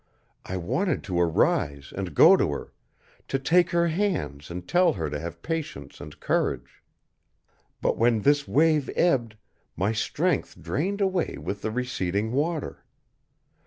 I wanted to arise and go to her, to take her hands and tell her to have patience and courage. But when this wave ebbed, my strength drained away with the receding water.